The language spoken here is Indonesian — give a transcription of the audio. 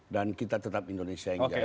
dan kita tetap indonesia yang jaya